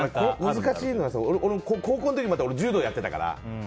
難しいのは俺も高校の時、柔道やってたから。